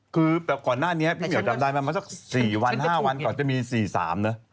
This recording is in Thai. คือแบบก่อนหน้านี้พี่เหี่ยวจำได้ไหมมาสัก๔วัน๕วันก่อนจะมี๔๓นะ